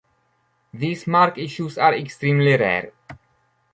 These mark issues are extremely rare.